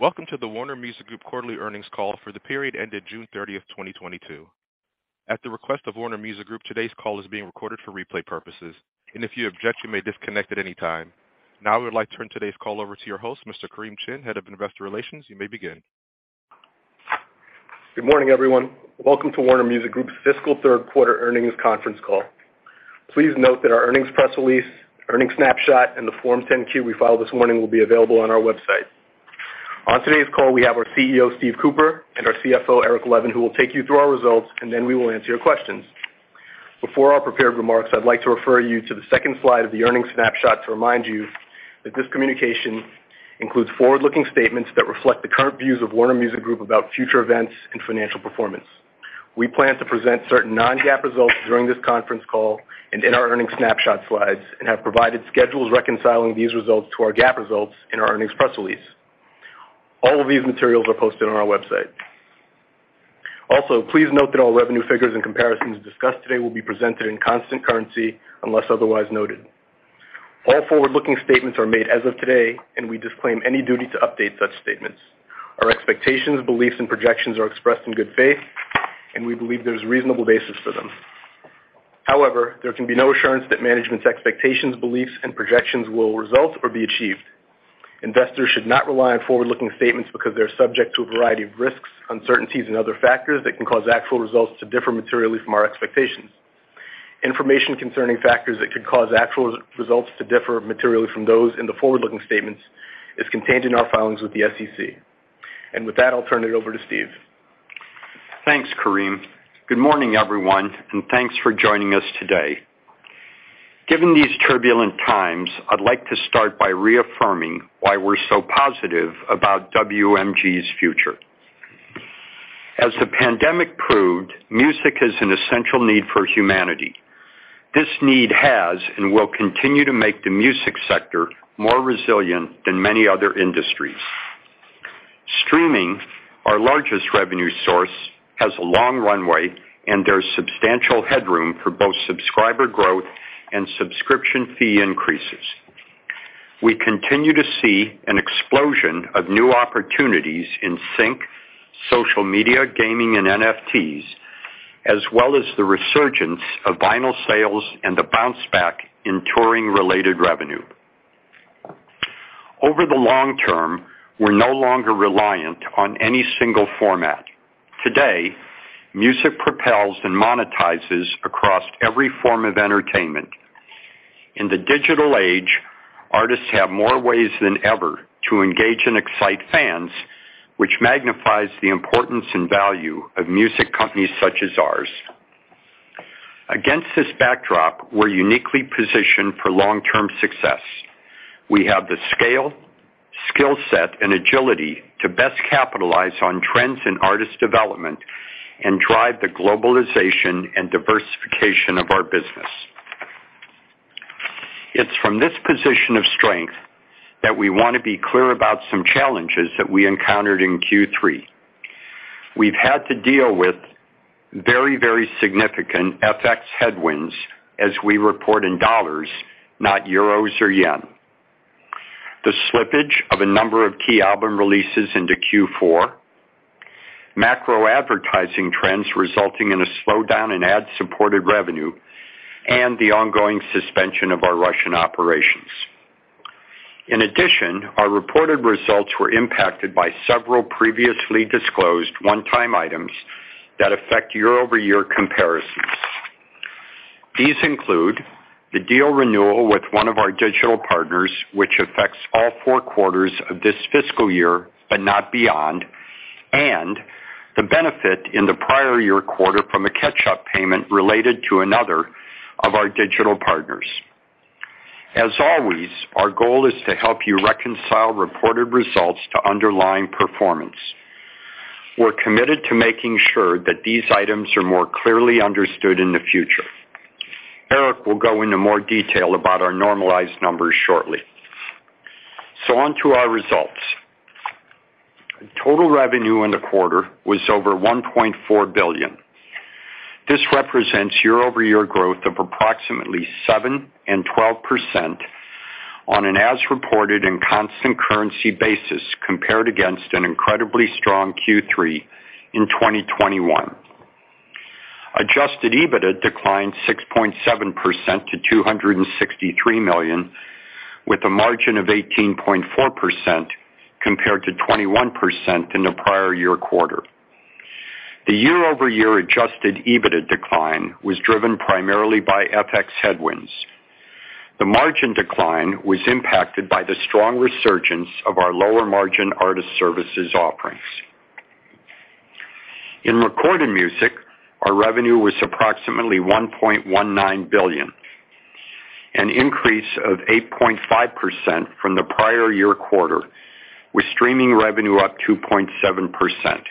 Welcome to the Warner Music Group quarterly earnings call for the period ended June 30th, 2022. At the request of Warner Music Group, today's call is being recorded for replay purposes. If you object, you may disconnect at any time. Now I would like to turn today's call over to your host, Mr. Kareem Chin, Head of Investor Relations. You may begin. Good morning, everyone. Welcome to Warner Music Group's Fiscal Third Quarter Earnings Conference Call. Please note that our earnings press release, earnings snapshot, and the Form 10-Q we filed this morning will be available on our website. On today's call, we have our CEO, Steve Cooper, and our CFO, Eric Levin, who will take you through our results, and then we will answer your questions. Before our prepared remarks, I'd like to refer you to the second slide of the earnings snapshot to remind you that this communication includes forward-looking statements that reflect the current views of Warner Music Group about future events and financial performance. We plan to present certain non-GAAP results during this conference call and in our earnings snapshot slides and have provided schedules reconciling these results to our GAAP results in our earnings press release. All of these materials are posted on our website. Also, please note that all revenue figures and comparisons discussed today will be presented in constant currency unless otherwise noted. All forward-looking statements are made as of today, and we disclaim any duty to update such statements. Our expectations, beliefs, and projections are expressed in good faith, and we believe there's reasonable basis for them. However, there can be no assurance that management's expectations, beliefs, and projections will result or be achieved. Investors should not rely on forward-looking statements because they're subject to a variety of risks, uncertainties, and other factors that can cause actual results to differ materially from our expectations. Information concerning factors that could cause actual results to differ materially from those in the forward-looking statements is contained in our filings with the SEC. With that, I'll turn it over to Steve. Thanks, Kareem. Good morning, everyone, and thanks for joining us today. Given these turbulent times, I'd like to start by reaffirming why we're so positive about WMG's future. As the pandemic proved, music is an essential need for humanity. This need has and will continue to make the music sector more resilient than many other industries. Streaming, our largest revenue source, has a long runway, and there's substantial headroom for both subscriber growth and subscription fee increases. We continue to see an explosion of new opportunities in sync, social media, gaming, and NFTs, as well as the resurgence of vinyl sales and a bounce back in touring-related revenue. Over the long term, we're no longer reliant on any single format. Today, music propels and monetizes across every form of entertainment. In the digital age, artists have more ways than ever to engage and excite fans, which magnifies the importance and value of music companies such as ours. Against this backdrop, we're uniquely positioned for long-term success. We have the scale, skill set, and agility to best capitalize on trends in artist development and drive the globalization and diversification of our business. It's from this position of strength that we wanna be clear about some challenges that we encountered in Q3. We've had to deal with very, very significant FX headwinds as we report in dollars, not euros or yen, the slippage of a number of key album releases into Q4, macro advertising trends resulting in a slowdown in ad-supported revenue, and the ongoing suspension of our Russian operations. In addition, our reported results were impacted by several previously disclosed one-time items that affect year-over-year comparisons. These include the deal renewal with one of our digital partners, which affects all four quarters of this fiscal year, but not beyond, and the benefit in the prior year quarter from a catch-up payment related to another of our digital partners. As always, our goal is to help you reconcile reported results to underlying performance. We're committed to making sure that these items are more clearly understood in the future. Eric will go into more detail about our normalized numbers shortly. Onto our results. Total revenue in the quarter was over $1.4 billion. This represents year-over-year growth of approximately 7% and 12% on an as reported and constant currency basis compared against an incredibly strong Q3 in 2021. Adjusted EBITDA declined 6.7% to $263 million, with a margin of 18.4% compared to 21% in the prior year quarter. The year-over-year adjusted EBITDA decline was driven primarily by FX headwinds. The margin decline was impacted by the strong resurgence of our lower-margin artist services offerings. In recorded music, our revenue was approximately $1.19 billion, an increase of 8.5% from the prior year quarter, with streaming revenue up 2.7%.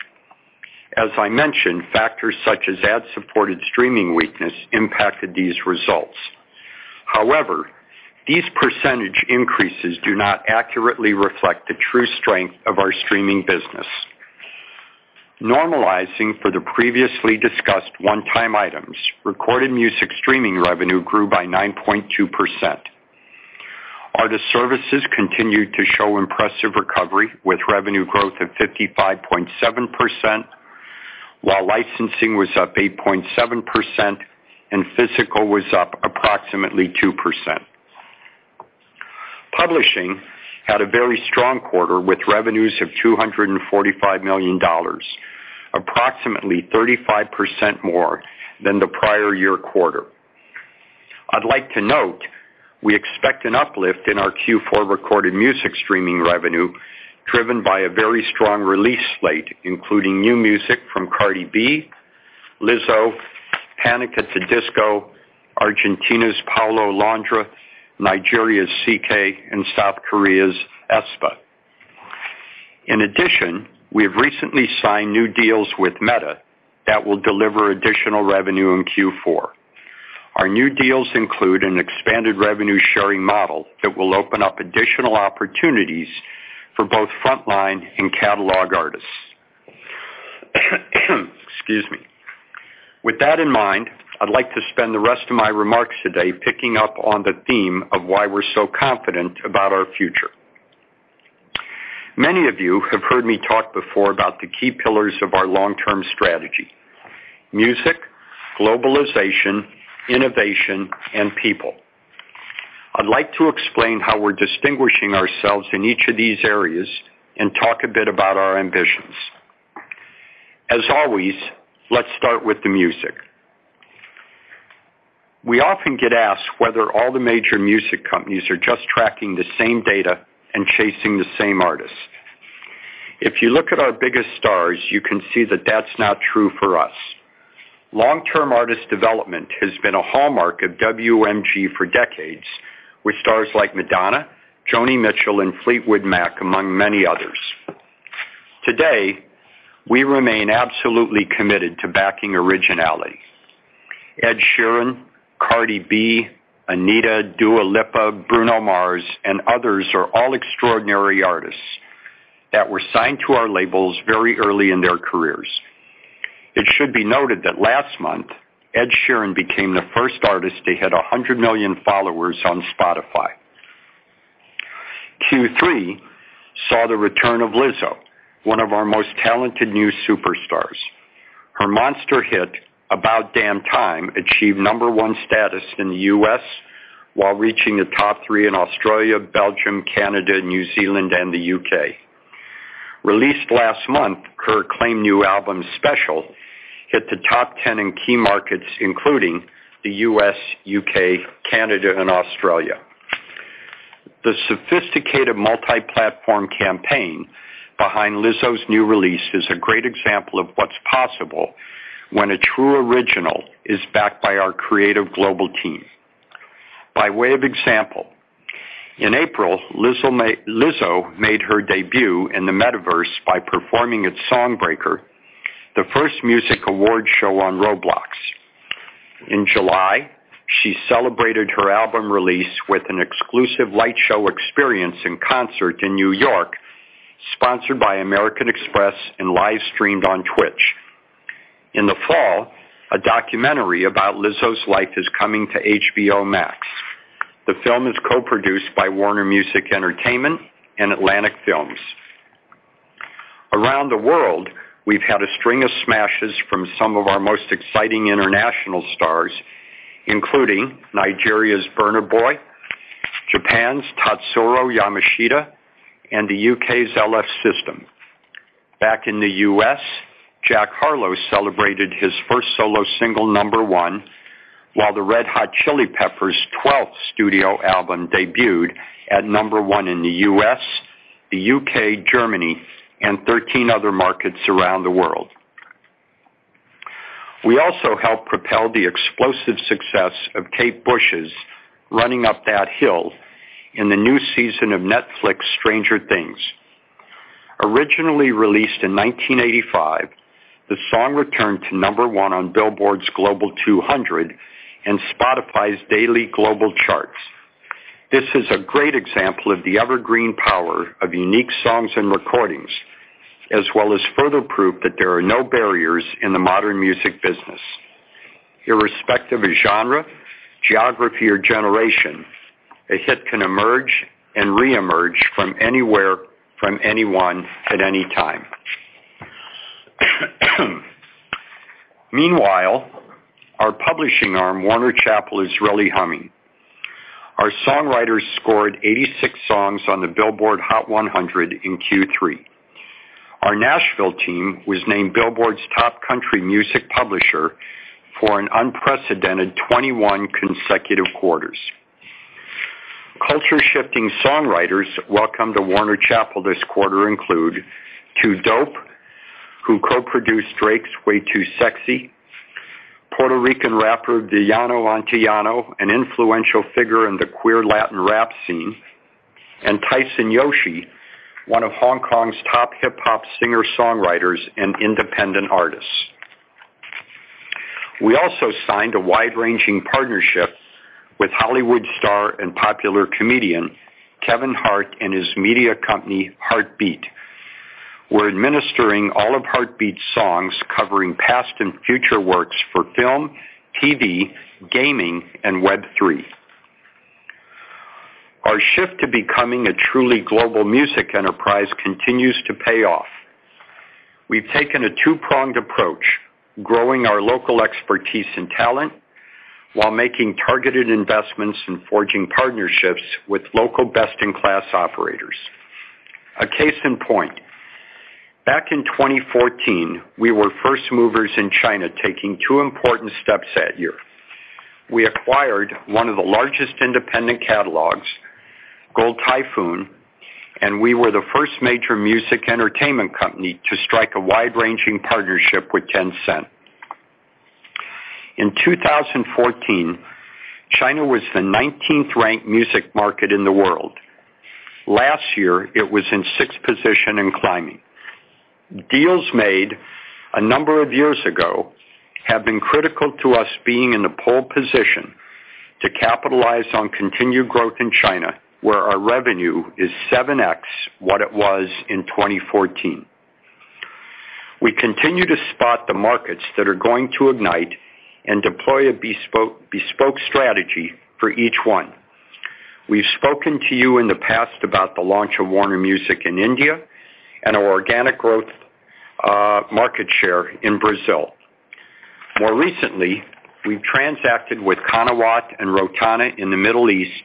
As I mentioned, factors such as ad-supported streaming weakness impacted these results. However, these percentage increases do not accurately reflect the true strength of our streaming business. Normalizing for the previously discussed one-time items, recorded music streaming revenue grew by 9.2%. Artist services continued to show impressive recovery, with revenue growth of 55.7%, while licensing was up 8.7% and physical was up approximately 2%. Publishing had a very strong quarter with revenues of $245 million, approximately 35% more than the prior year quarter. I'd like to note we expect an uplift in our Q4 recorded music streaming revenue driven by a very strong release slate, including new music from Cardi B, Lizzo, Panic! at the Disco, Argentina's Paulo Londra, Nigeria's CKay, and South Korea's Aespa. In addition, we have recently signed new deals with Meta that will deliver additional revenue in Q4. Our new deals include an expanded revenue-sharing model that will open up additional opportunities for both frontline and catalog artists. Excuse me. With that in mind, I'd like to spend the rest of my remarks today picking up on the theme of why we're so confident about our future. Many of you have heard me talk before about the key pillars of our long-term strategy, music, globalization, innovation, and people. I'd like to explain how we're distinguishing ourselves in each of these areas and talk a bit about our ambitions. As always, let's start with the music. We often get asked whether all the major music companies are just tracking the same data and chasing the same artists. If you look at our biggest stars, you can see that that's not true for us. Long-term artist development has been a hallmark of WMG for decades, with stars like Madonna, Joni Mitchell, and Fleetwood Mac, among many others. Today, we remain absolutely committed to backing originality. Ed Sheeran, Cardi B, Anitta, Dua Lipa, Bruno Mars, and others are all extraordinary artists that were signed to our labels very early in their careers. It should be noted that last month, Ed Sheeran became the first artist to hit 100 million followers on Spotify. Q3 saw the return of Lizzo, one of our most talented new superstars. Her monster hit, About Damn Time, achieved number-one status in the U.S. while reaching the top 3 in Australia, Belgium, Canada, New Zealand, and the U.K. Released last month, her acclaimed new album, Special, hit the top 10 in key markets, including the U.S., U.K., Canada, and Australia. The sophisticated multi-platform campaign behind Lizzo's new release is a great example of what's possible when a true original is backed by our creative global team. By way of example, in April, Lizzo made her debut in the Metaverse by performing at Song Breaker Awards, the first music award show on Roblox. In July, she celebrated her album release with an exclusive light show experience and concert in New York, sponsored by American Express and live-streamed on Twitch. In the fall, a documentary about Lizzo's life is coming to HBO Max. The film is co-produced by Warner Music Entertainment and Atlantic Films. Around the world, we've had a string of smashes from some of our most exciting international stars, including Nigeria's Burna Boy, Japan's Tatsuro Yamashita, and the U.K.'s LF System. Back in the U.S., Jack Harlow celebrated his first solo single number one, while the Red Hot Chili Peppers' 12th studio album debuted at number one in the U.S., the U.K., Germany, and 13 other markets around the world. We also helped propel the explosive success of Kate Bush's Running Up That Hill in the new season of Netflix's Stranger Things. Originally released in 1985, the song returned to number one on Billboard's Global 200 and Spotify's daily global charts. This is a great example of the evergreen power of unique songs and recordings, as well as further proof that there are no barriers in the modern music business. Irrespective of genre, geography, or generation, a hit can emerge and reemerge from anywhere, from anyone at any time. Meanwhile, our publishing arm, Warner Chappell, is really humming. Our songwriters scored 86 songs on the Billboard Hot 100 in Q3. Our Nashville team was named Billboard's top country music publisher for an unprecedented 21 consecutive quarters. Culture-shifting songwriters welcome to Warner Chappell this quarter include 2Dope, who co-produced Drake's Way 2 Sexy, Puerto Rican rapper Villano Antillano, an influential figure in the queer Latin rap scene, and Tyson Yoshi, one of Hong Kong's top hip hop singer-songwriters and independent artists. We also signed a wide-ranging partnership with Hollywood star and popular comedian Kevin Hart and his media company, HARTBEAT. We're administering all of HARTBEAT's songs covering past and future works for film, TV, gaming, and Web3. Our shift to becoming a truly global music enterprise continues to pay off. We've taken a two-pronged approach, growing our local expertise and talent while making targeted investments and forging partnerships with local best-in-class operators. A case in point, back in 2014, we were first movers in China, taking two important steps that year. We acquired one of the largest independent catalogs, Gold Typhoon, and we were the first major music entertainment company to strike a wide-ranging partnership with Tencent. In 2014, China was the 19th-ranked music market in the world. Last year, it was in sixth position and climbing. Deals made a number of years ago have been critical to us being in the pole position to capitalize on continued growth in China, where our revenue is 7x what it was in 2014. We continue to spot the markets that are going to ignite and deploy a bespoke strategy for each one. We've spoken to you in the past about the launch of Warner Music in India and our organic growth, market share in Brazil. More recently, we've transacted with Qanawat and Rotana in the Middle East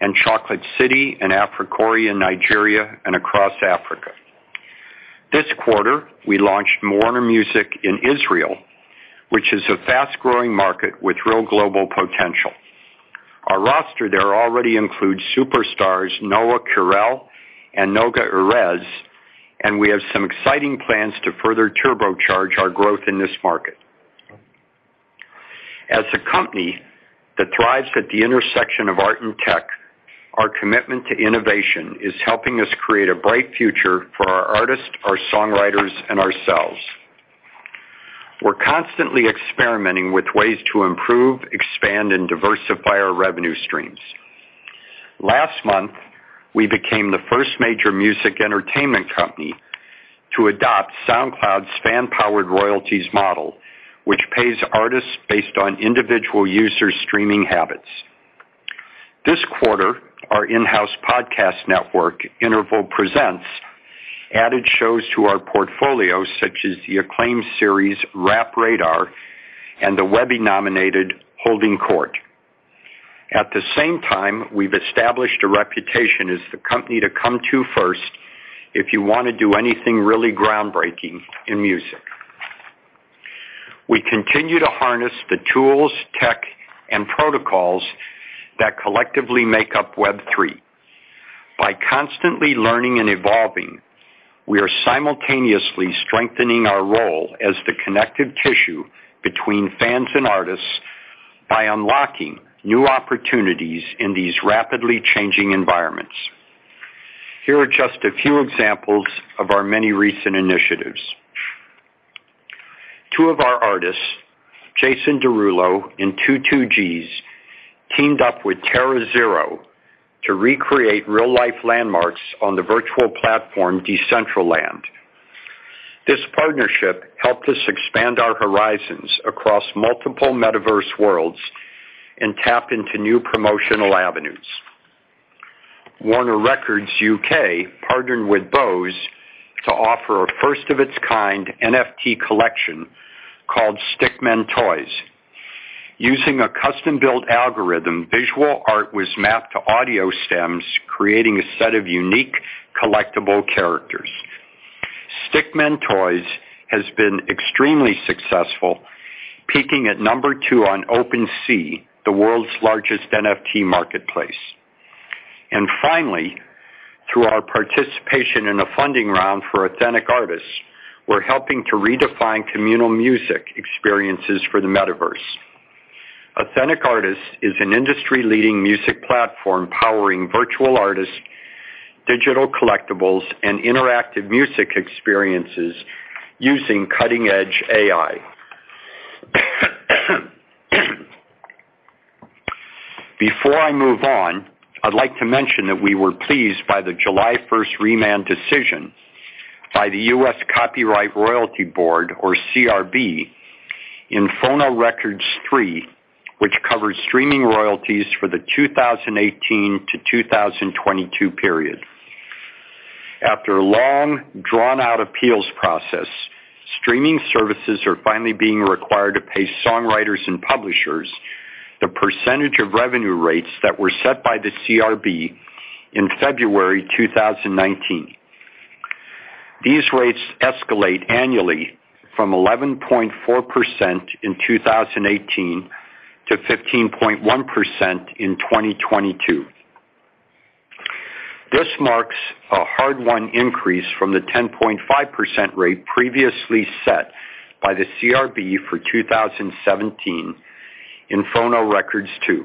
and Chocolate City and Africori in Nigeria and across Africa. This quarter, we launched Warner Music in Israel, which is a fast-growing market with real global potential. Our roster there already includes superstars Noa Kirel and Noga Erez, and we have some exciting plans to further turbocharge our growth in this market. As a company that thrives at the intersection of art and tech, our commitment to innovation is helping us create a bright future for our artists, our songwriters, and ourselves. We're constantly experimenting with ways to improve, expand, and diversify our revenue streams. Last month, we became the first major music entertainment company to adopt SoundCloud's fan-powered royalties model, which pays artists based on individual user streaming habits. This quarter, our in-house podcast network, Interval Presents, added shows to our portfolio, such as the acclaimed series Rap Radar and the Webby-nominated Holding Court. At the same time, we've established a reputation as the company to come to first if you wanna do anything really groundbreaking in music. We continue to harness the tools, tech, and protocols that collectively make up Web3. By constantly learning and evolving, we are simultaneously strengthening our role as the connective tissue between fans and artists by unlocking new opportunities in these rapidly changing environments. Here are just a few examples of our many recent initiatives. Two of our artists, Jason Derulo and TooTurntTony, teamed up with TerraZero to recreate real-life landmarks on the virtual platform, Decentraland. This partnership helped us expand our horizons across multiple metaverse worlds and tap into new promotional avenues. Warner Records UK partnered with Bose to offer a first-of-its-kind NFT collection called Stickmen Toys. Using a custom-built algorithm, visual art was mapped to audio stems, creating a set of unique collectible characters. Stickmen Toys has been extremely successful, peaking at number 2 on OpenSea, the world's largest NFT marketplace. Finally, through our participation in a funding round for Authentic Artists, we're helping to redefine communal music experiences for the metaverse. Authentic Artists is an industry-leading music platform powering virtual artists, digital collectibles, and interactive music experiences using cutting-edge AI. Before I move on, I'd like to mention that we were pleased by the July 1st remand decision by the U.S. Copyright Royalty Board, or CRB, in Phonorecords III, which covers streaming royalties for the 2018-2022 period. After a long, drawn-out appeals process, streaming services are finally being required to pay songwriters and publishers the percentage of revenue rates that were set by the CRB in February 2019. These rates escalate annually from 11.4% in 2018 to 15.1% in 2022. This marks a hard-won increase from the 10.5% rate previously set by the CRB for 2017 in Phonorecords II.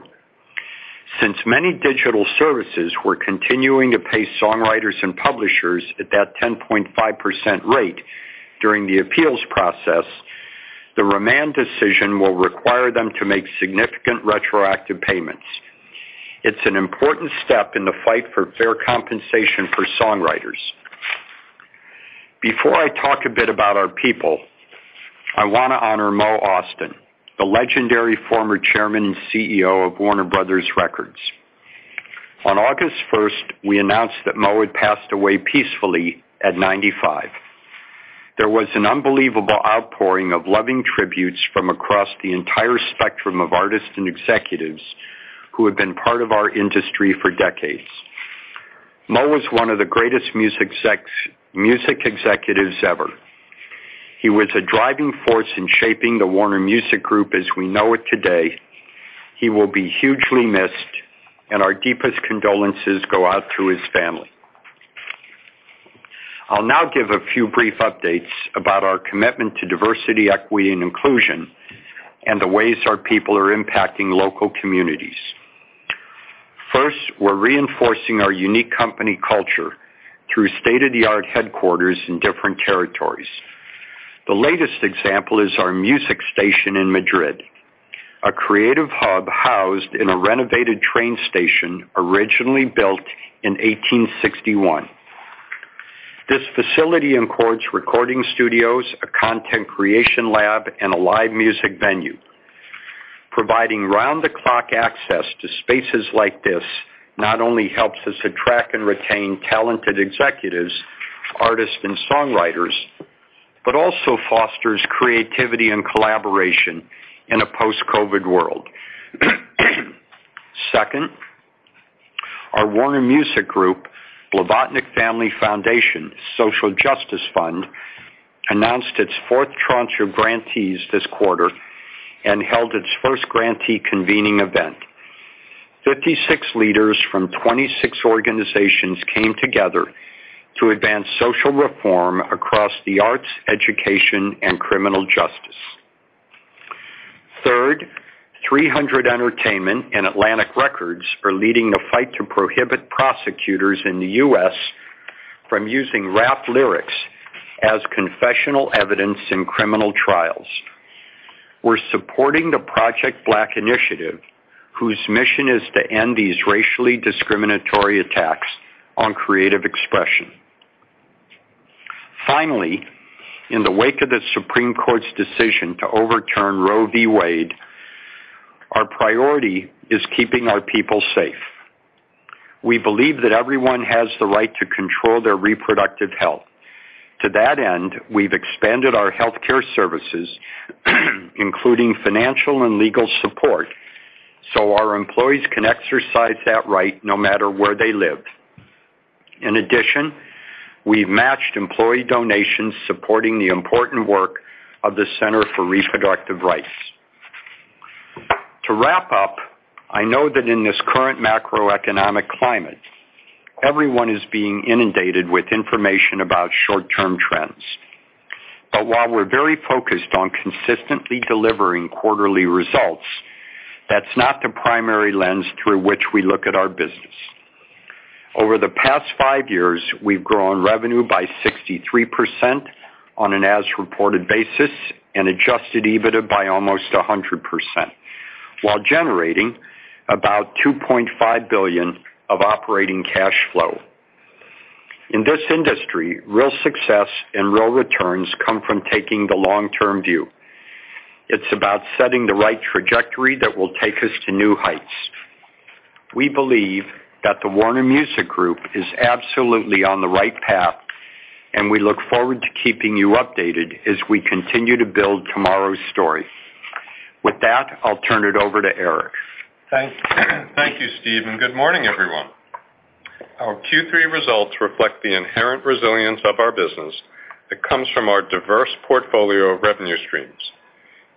Since many digital services were continuing to pay songwriters and publishers at that 10.5% rate during the appeals process, the remand decision will require them to make significant retroactive payments. It's an important step in the fight for fair compensation for songwriters. Before I talk a bit about our people, I wanna honor Mo Ostin, the legendary former Chairman and CEO of Warner Bros. Records. On August 1st, we announced that Mo had passed away peacefully at 95. There was an unbelievable outpouring of loving tributes from across the entire spectrum of artists and executives who had been part of our industry for decades. Mo was one of the greatest music executives ever. He was a driving force in shaping the Warner Music Group as we know it today. He will be hugely missed, and our deepest condolences go out to his family. I'll now give a few brief updates about our commitment to diversity, equity, and inclusion and the ways our people are impacting local communities. First, we're reinforcing our unique company culture through state-of-the-art headquarters in different territories. The latest example is our music station in Madrid, a creative hub housed in a renovated train station originally built in 1861. This facility includes recording studios, a content creation lab, and a live music venue. Providing round-the-clock access to spaces like this not only helps us attract and retain talented executives, artists, and songwriters, but also fosters creativity and collaboration in a post-COVID world. Second, our Warner Music Group / Blavatnik Family Foundation Social Justice Fund announced its fourth tranche of grantees this quarter and held its first grantee convening event. 56 leaders from 26 organizations came together to advance social reform across the arts, education, and criminal justice. Third, 300 Entertainment and Atlantic Records are leading the fight to prohibit prosecutors in the U.S. from using rap lyrics as confessional evidence in criminal trials. We're supporting the Protect Black Art initiative, whose mission is to end these racially discriminatory attacks on creative expression. Finally, in the wake of the Supreme Court's decision to overturn Roe v. Wade, our priority is keeping our people safe. We believe that everyone has the right to control their reproductive health. To that end, we've expanded our healthcare services, including financial and legal support, so our employees can exercise that right no matter where they live. In addition, we've matched employee donations supporting the important work of the Center for Reproductive Rights. To wrap up, I know that in this current macroeconomic climate, everyone is being inundated with information about short-term trends. While we're very focused on consistently delivering quarterly results, that's not the primary lens through which we look at our business. Over the past five years, we've grown revenue by 63% on an as-reported basis and adjusted EBITDA by almost 100% while generating about $2.5 billion of operating cash flow. In this industry, real success and real returns come from taking the long-term view. It's about setting the right trajectory that will take us to new heights. We believe that the Warner Music Group is absolutely on the right path, and we look forward to keeping you updated as we continue to build tomorrow's story. With that, I'll turn it over to Eric. Thank you, Steve, and good morning, everyone. Our Q3 results reflect the inherent resilience of our business that comes from our diverse portfolio of revenue streams.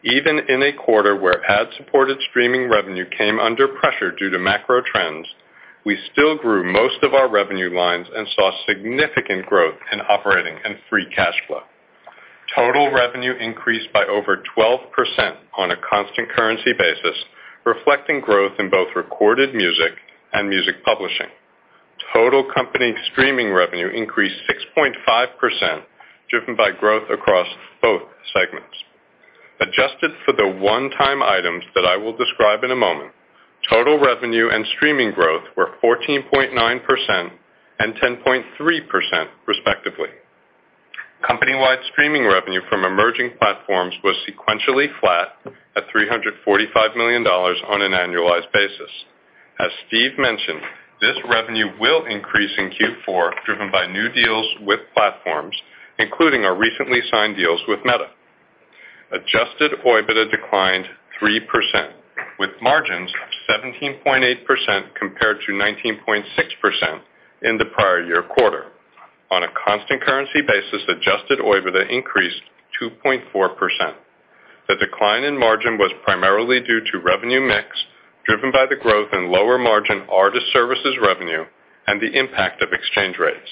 Even in a quarter where ad-supported streaming revenue came under pressure due to macro trends, we still grew most of our revenue lines and saw significant growth in operating and free cash flow. Total revenue increased by over 12% on a constant currency basis, reflecting growth in both recorded music and music publishing. Total company streaming revenue increased 6.5%, driven by growth across both segments. Adjusted for the one-time items that I will describe in a moment, total revenue and streaming growth were 14.9% and 10.3%, respectively. Company-wide streaming revenue from emerging platforms was sequentially flat at $345 million on an annualized basis. As Steve mentioned, this revenue will increase in Q4, driven by new deals with platforms, including our recently signed deals with Meta. Adjusted OIBDA declined 3%, with margins of 17.8% compared to 19.6% in the prior year quarter. On a constant currency basis, adjusted OIBDA increased 2.4%. The decline in margin was primarily due to revenue mix, driven by the growth in lower-margin artist services revenue and the impact of exchange rates.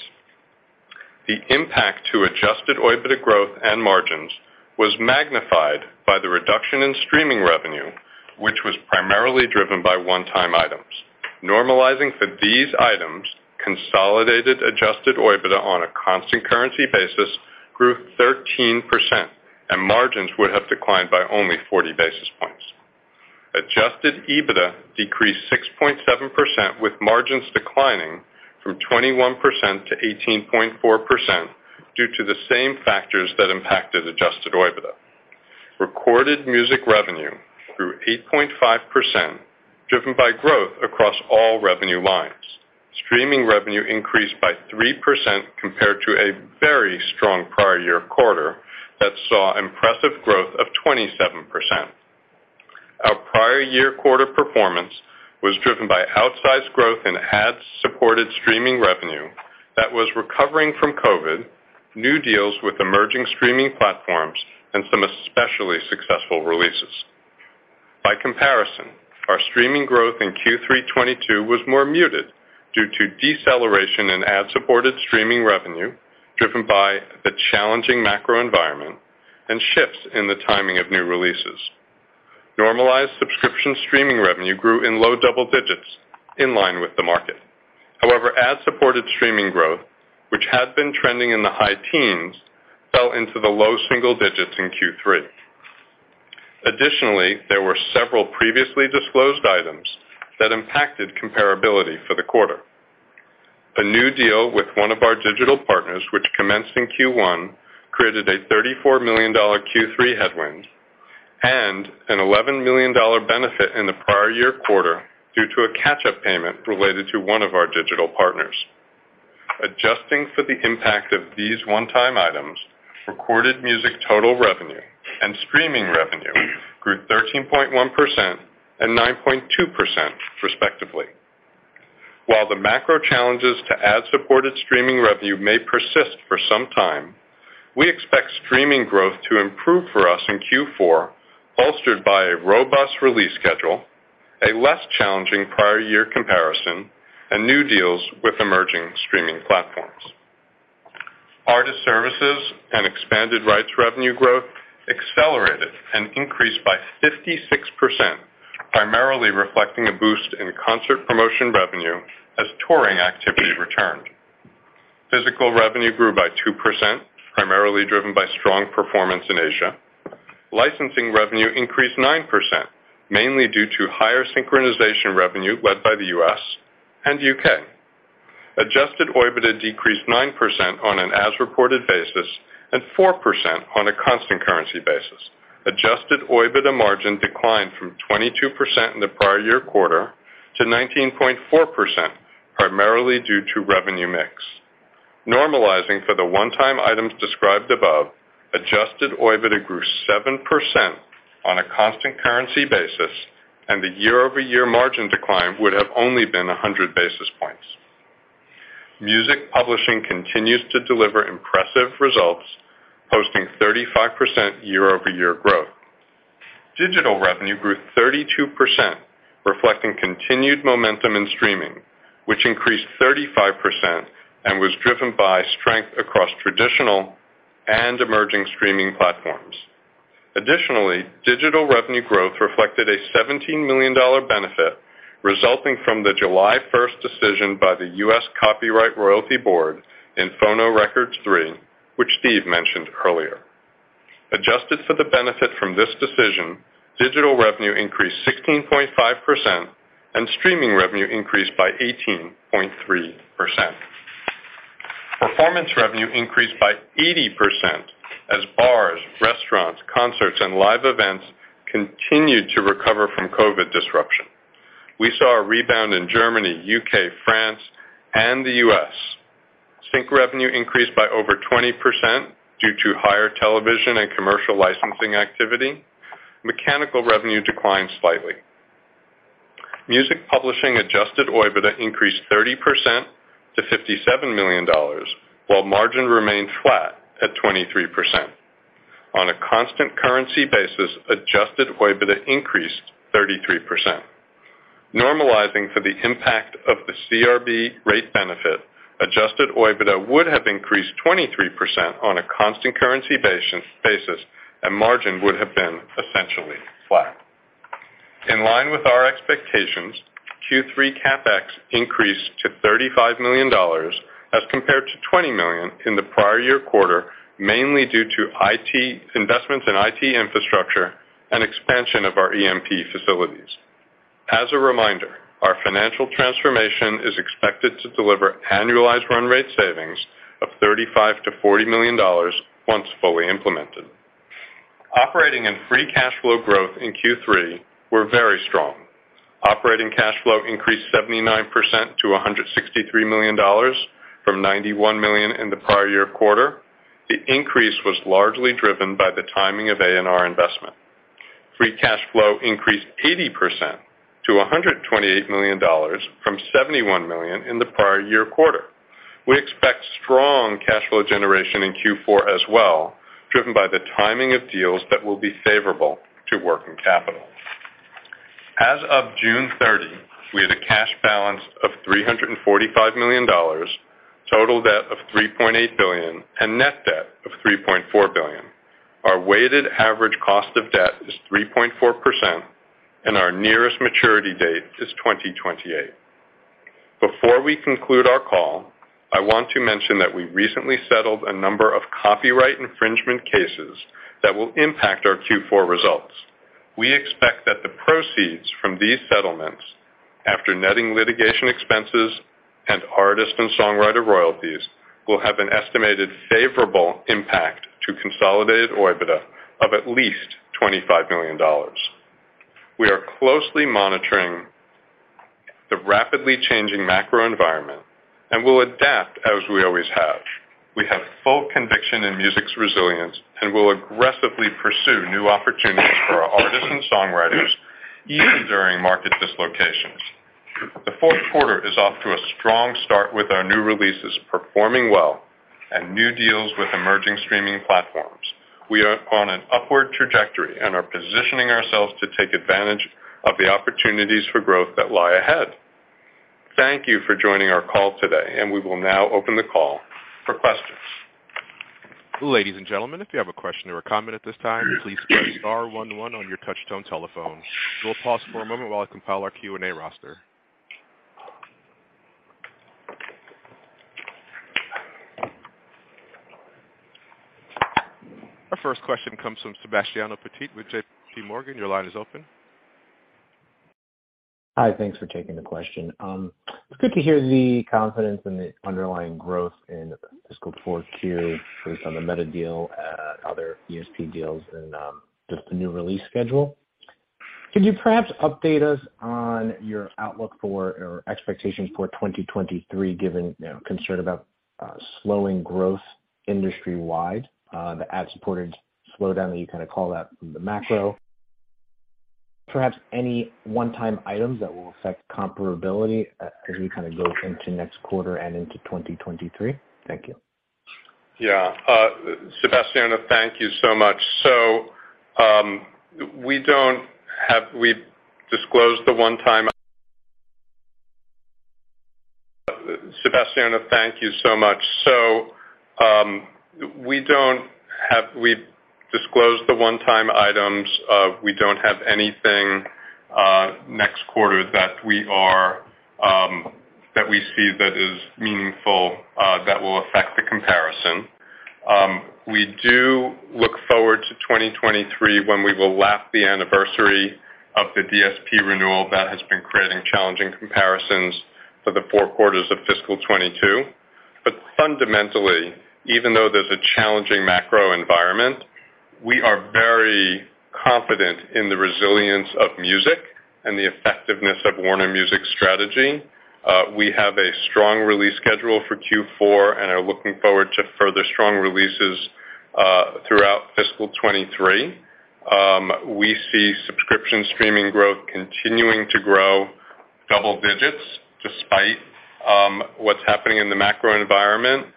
The impact to adjusted OIBDA growth and margins was magnified by the reduction in streaming revenue, which was primarily driven by one-time items. Normalizing for these items, consolidated adjusted OIBDA on a constant currency basis grew 13%, and margins would have declined by only 40 basis points. Adjusted EBITDA decreased 6.7%, with margins declining from 21% to 18.4% due to the same factors that impacted adjusted OIBDA. Recorded music revenue grew 8.5%, driven by growth across all revenue lines. Streaming revenue increased by 3% compared to a very strong prior year quarter that saw impressive growth of 27%. Our prior year quarter performance was driven by outsized growth in ad-supported streaming revenue that was recovering from COVID, new deals with emerging streaming platforms, and some especially successful releases. By comparison, our streaming growth in Q3 2022 was more muted due to deceleration in ad-supported streaming revenue, driven by the challenging macro environment and shifts in the timing of new releases. Normalized subscription streaming revenue grew in low double digits in line with the market. However, ad-supported streaming growth, which had been trending in the high teens, fell into the low single digits in Q3. Additionally, there were several previously disclosed items that impacted comparability for the quarter. A new deal with one of our digital partners, which commenced in Q1, created a $34 million Q3 headwind and an $11 million benefit in the prior year quarter due to a catch-up payment related to one of our digital partners. Adjusting for the impact of these one-time items, recorded music total revenue and streaming revenue grew 13.1% and 9.2% respectively. While the macro challenges to ad-supported streaming revenue may persist for some time, we expect streaming growth to improve for us in Q4, bolstered by a robust release schedule, a less challenging prior year comparison, and new deals with emerging streaming platforms. Artist Services and Expanded Rights revenue growth accelerated and increased by 56%, primarily reflecting a boost in concert promotion revenue as touring activity returned. Physical revenue grew by 2%, primarily driven by strong performance in Asia. Licensing revenue increased 9%, mainly due to higher synchronization revenue led by the U.S. and U.K. Adjusted OIBDA decreased 9% on an as-reported basis and 4% on a constant currency basis. Adjusted OIBDA margin declined from 22% in the prior year quarter to 19.4%, primarily due to revenue mix. Normalizing for the one-time items described above, adjusted OIBDA grew 7% on a constant currency basis, and the year-over-year margin decline would have only been 100 basis points. Music Publishing continues to deliver impressive results, posting 35% year-over-year growth. Digital revenue grew 32%, reflecting continued momentum in streaming, which increased 35% and was driven by strength across traditional and emerging streaming platforms. Additionally, digital revenue growth reflected a $17 million benefit resulting from the July 1 decision by the U.S. Copyright Royalty Board in Phonorecords III, which Steve mentioned earlier. Adjusted for the benefit from this decision, digital revenue increased 16.5%, and streaming revenue increased by 18.3%. Performance revenue increased by 80% as bars, restaurants, concerts, and live events continued to recover from COVID disruption. We saw a rebound in Germany, U.K., France, and the U.S. Sync revenue increased by over 20% due to higher television and commercial licensing activity. Mechanical revenue declined slightly. Music publishing adjusted OIBDA increased 30% to $57 million, while margin remained flat at 23%. On a constant currency basis, adjusted OIBDA increased 33%. Normalizing for the impact of the CRB rate benefit, adjusted OIBDA would have increased 23% on a constant currency basis, and margin would have been essentially flat. In line with our expectations, Q3 CapEx increased to $35 million as compared to $20 million in the prior year quarter, mainly due to IT investments in IT infrastructure and expansion of our EMP facilities. As a reminder, our financial transformation is expected to deliver annualized run rate savings of $35-$40 million once fully implemented. Operating and free cash flow growth in Q3 were very strong. Operating cash flow increased 79% to $163 million from $91 million in the prior year quarter. The increase was largely driven by the timing of A&R investment. Free cash flow increased 80% to $128 million from $71 million in the prior year quarter. We expect strong cash flow generation in Q4 as well, driven by the timing of deals that will be favorable to working capital. As of June 30th, we had a cash balance of $345 million, total debt of $3.8 billion, and net debt of $3.4 billion. Our weighted average cost of debt is 3.4%, and our nearest maturity date is 2028. Before we conclude our call, I want to mention that we recently settled a number of copyright infringement cases that will impact our Q4 results. We expect that the proceeds from these settlements, after netting litigation expenses and artist and songwriter royalties, will have an estimated favorable impact to consolidated OIBDA of at least $25 million. We are closely monitoring the rapidly changing macro environment and will adapt as we always have. We have full conviction in music's resilience and will aggressively pursue new opportunities for our artists and songwriters even during market dislocations. The fourth quarter is off to a strong start with our new releases performing well and new deals with emerging streaming platforms. We are on an upward trajectory and are positioning ourselves to take advantage of the opportunities for growth that lie ahead. Thank you for joining our call today, and we will now open the call for questions. Ladies and gentlemen, if you have a question or a comment at this time, please press star one one on your touchtone telephone. We'll pause for a moment while I compile our Q&A roster. Our first question comes from Sebastiano Petti with JPMorgan. Your line is open. Hi. Thanks for taking the question. It's good to hear the confidence in the underlying growth in fiscal 4Q based on the Meta deal, other ESP deals and just the new release schedule. Could you perhaps update us on your outlook for or expectations for 2023, given, you know, concern about slowing growth industry-wide, the ad-supported slowdown that you kinda call out from the macro? Perhaps any one-time items that will affect comparability as we kinda go into next quarter and into 2023. Thank you. Yeah. Sebastiano, thank you so much. We've disclosed the one-time items. We don't have anything next quarter that we see that is meaningful that will affect the comparison. We do look forward to 2023 when we will lap the anniversary of the DSP renewal that has been creating challenging comparisons for the four quarters of fiscal 2022. Fundamentally, even though there's a challenging macro environment, we are very confident in the resilience of music and the effectiveness of Warner Music strategy. We have a strong release schedule for Q4 and are looking forward to further strong releases throughout fiscal 2023. We see subscription streaming growth continuing to grow double digits despite what's happening in the macro environment.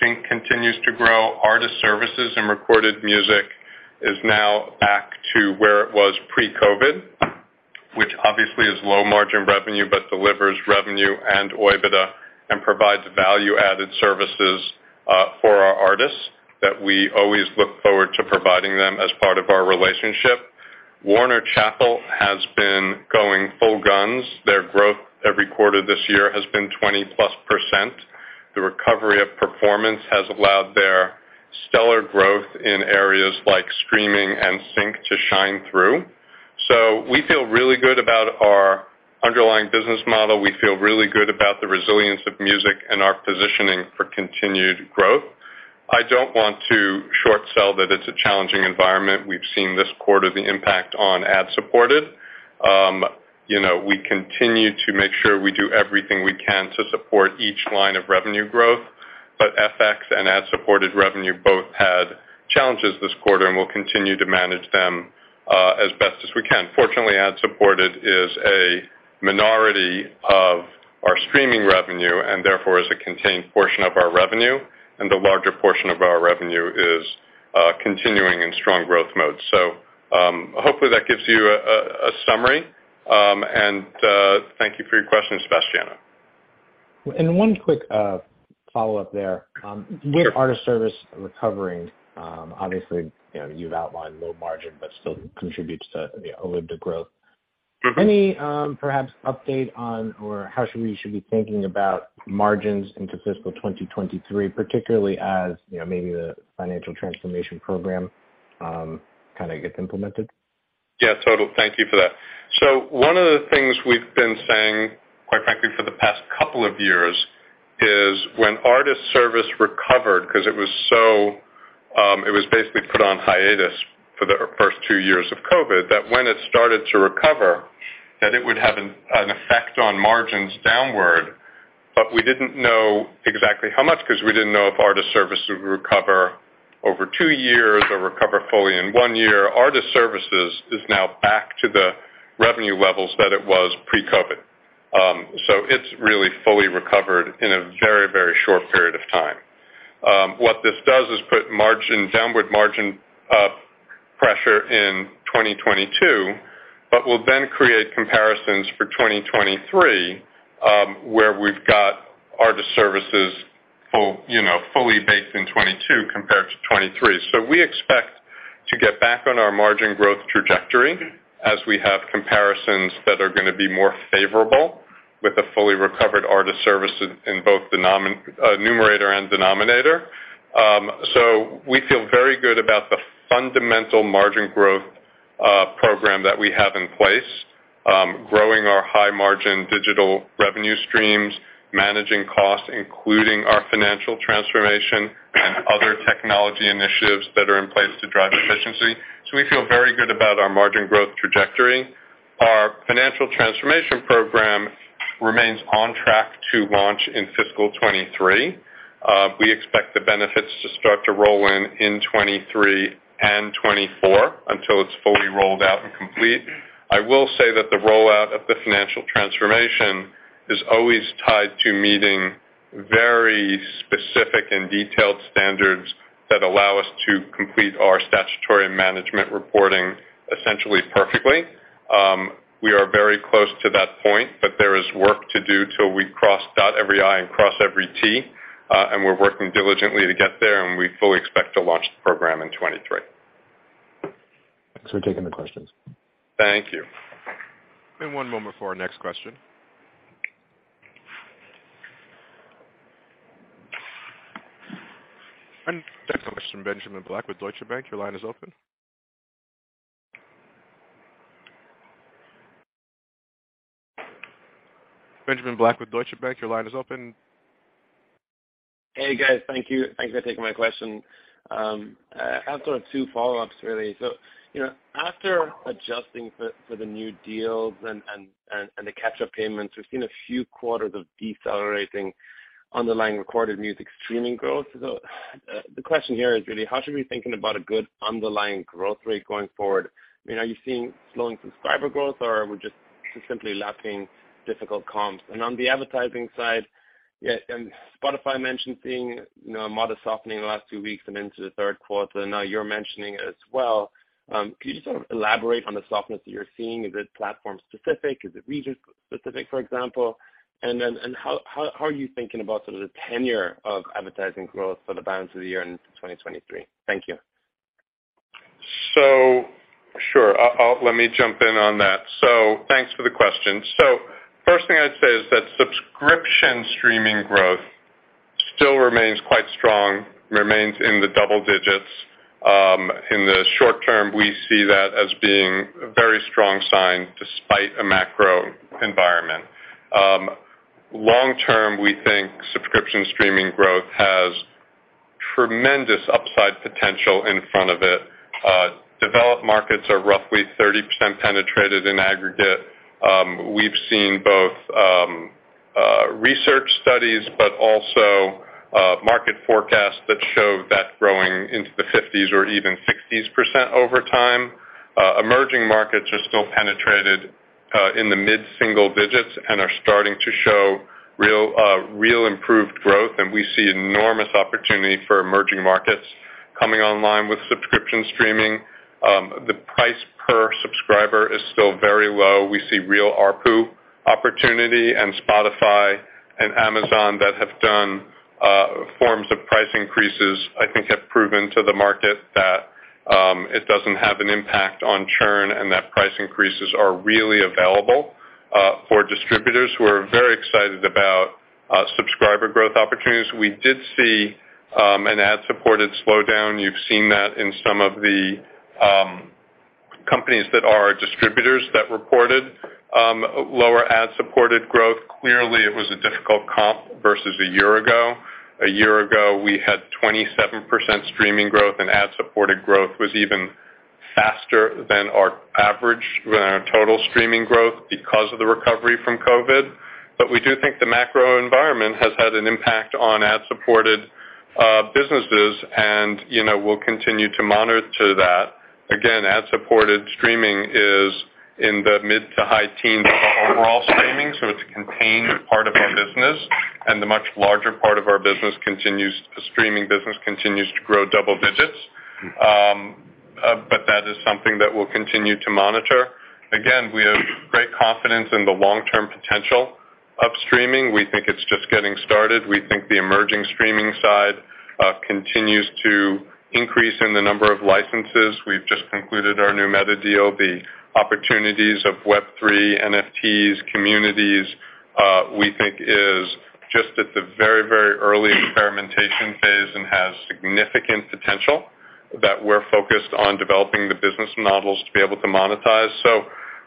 Sync continues to grow. Artist Services and Recorded Music is now back to where it was pre-COVID, which obviously is low margin revenue, but delivers revenue and OIBDA and provides value-added services for our artists that we always look forward to providing them as part of our relationship. Warner Chappell has been going full guns. Their growth every quarter this year has been 20%+. The recovery of performance has allowed their stellar growth in areas like streaming and sync to shine through. We feel really good about our underlying business model. We feel really good about the resilience of music and our positioning for continued growth. I don't want to short-sell that it's a challenging environment. We've seen this quarter the impact on ad-supported. You know, we continue to make sure we do everything we can to support each line of revenue growth, but FX and ad-supported revenue both had challenges this quarter, and we'll continue to manage them, as best as we can. Fortunately, ad-supported is a minority of our streaming revenue and therefore is a contained portion of our revenue, and the larger portion of our revenue is continuing in strong growth mode. Hopefully that gives you a summary, and thank you for your question, Sebastiano. One quick follow-up there. With Artist Services recovering, obviously, you know, you've outlined low margin but still contributes to the OIBDA growth. Any perhaps update on or how should we be thinking about margins into fiscal 2023, particularly as, you know, maybe the financial transformation program kinda gets implemented? Yeah, totally. Thank you for that. One of the things we've been saying, quite frankly, for the past couple of years is when Artist Services recovered, 'cause it was so, it was basically put on hiatus for the first two years of COVID, that when it started to recover, that it would have an effect on margins downward. But we didn't know exactly how much 'cause we didn't know if Artist Services would recover over two years or recover fully in one year. Artist Services is now back to the revenue levels that it was pre-COVID. It's really fully recovered in a very, very short period of time. What this does is put margin, downward margin, pressure in 2022, but will then create comparisons for 2023, where we've got Artist Services full, you know, fully baked in 2022 compared to 2023. We expect to get back on our margin growth trajectory as we have comparisons that are gonna be more favorable with a fully recovered Artist Services in both numerator and denominator. We feel very good about the fundamental margin growth program that we have in place, growing our high margin digital revenue streams, managing costs, including our financial transformation and other technology initiatives that are in place to drive efficiency. We feel very good about our margin growth trajectory. Our financial transformation program remains on track to launch in fiscal 2023. We expect the benefits to start to roll in in 2023 and 2024 until it's fully rolled out and complete. I will say that the rollout of the financial transformation is always tied to meeting very specific and detailed standards that allow us to complete our statutory management reporting essentially perfectly. We are very close to that point, but there is work to do till we dot every i and cross every t, and we're working diligently to get there, and we fully expect to launch the program in 2023. Thanks for taking the questions. Thank you. Give me one moment for our next question. Our next question, Benjamin Black with Deutsche Bank. Your line is open. Benjamin Black with Deutsche Bank, your line is open. Hey, guys. Thank you. Thanks for taking my question. I have sort of two follow-ups really. After adjusting for the new deals and the catch-up payments, we've seen a few quarters of decelerating underlying recorded music streaming growth. The question here is really how should we be thinking about a good underlying growth rate going forward? I mean, are you seeing slowing subscriber growth, or are we just simply lapping difficult comps? On the advertising side, Spotify mentioned seeing a modest softening in the last two weeks and into the third quarter. Now you're mentioning it as well. Could you sort of elaborate on the softness that you're seeing? Is it platform specific? Is it region specific, for example? How are you thinking about sort of the tenor of advertising growth for the balance of the year in 2023? Thank you. Sure. I'll let me jump in on that. Thanks for the question. First thing I'd say is that subscription streaming growth still remains quite strong, remains in the double digits. In the short term, we see that as being a very strong sign despite a macro environment. Long term, we think subscription streaming growth has tremendous upside potential in front of it. Developed markets are roughly 30% penetrated in aggregate. We've seen both research studies but also market forecasts that show that growing into the 50s% or even 60s% over time. Emerging markets are still penetrated in the mid-single digits and are starting to show real improved growth, and we see enormous opportunity for emerging markets coming online with subscription streaming. The price per subscriber is still very low. We see real ARPU opportunity, and Spotify and Amazon that have done forms of price increases, I think, have proven to the market that it doesn't have an impact on churn, and that price increases are really available for distributors. We're very excited about subscriber growth opportunities. We did see an ad-supported slowdown. You've seen that in some of the companies that are distributors that reported lower ad-supported growth. Clearly, it was a difficult comp versus a year ago. A year ago, we had 27% streaming growth, and ad-supported growth was even faster than our total streaming growth because of the recovery from COVID. We do think the macro environment has had an impact on ad-supported businesses, and you know, we'll continue to monitor that. Again, ad-supported streaming is in the mid to high teens% of overall streaming, so it's a contained part of our business, and the much larger part of our business, the streaming business, continues to grow double digits. But that is something that we'll continue to monitor. Again, we have great confidence in the long-term potential of streaming. We think it's just getting started. We think the emerging streaming side continues to increase in the number of licenses. We've just concluded our new Meta deal. The opportunities of Web3, NFTs, communities, we think is just at the very, very early experimentation phase and has significant potential that we're focused on developing the business models to be able to monetize.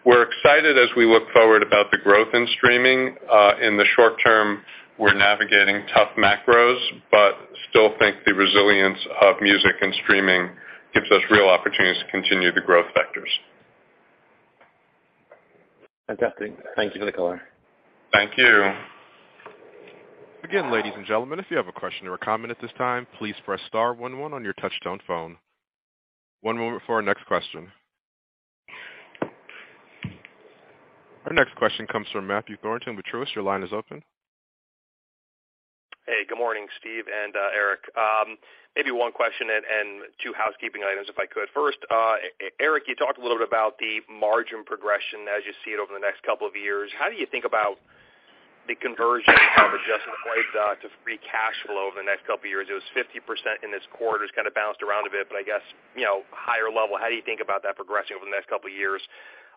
We're excited as we look forward about the growth in streaming. In the short term, we're navigating tough macros, but still think the resilience of music and streaming gives us real opportunities to continue the growth vectors. Fantastic. Thank you for the color. Thank you. Again, ladies and gentlemen, if you have a question or a comment at this time, please press star one one on your touchtone phone. One moment for our next question. Our next question comes from Matthew Thornton with Truist. Your line is open. Hey, good morning, Steve and Eric. Maybe one question and two housekeeping items, if I could. First, Eric, you talked a little bit about the margin progression as you see it over the next couple of years. How do you think about the conversion of adjusted OIBDA to free cash flow over the next couple of years? It was 50% in this quarter. It's kinda bounced around a bit, but I guess, you know, higher level, how do you think about that progressing over the next couple of years?